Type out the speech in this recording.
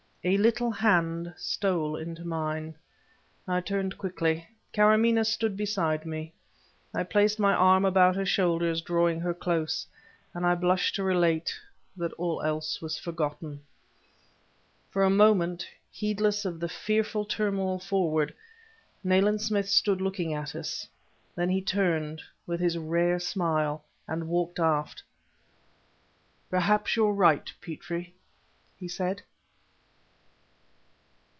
A little hand stole into mine. I turned quickly. Karamaneh stood beside me. I placed my arm about her shoulders, drawing her close; and I blush to relate that all else was forgotten. For a moment, heedless of the fearful turmoil forward, Nayland Smith stood looking at us. Then he turned, with his rare smile, and walked aft. "Perhaps you're right, Petrie!" he said.